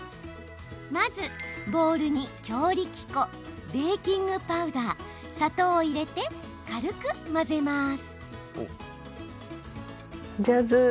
まず、ボウルに強力粉ベーキングパウダー砂糖を入れて軽く混ぜます。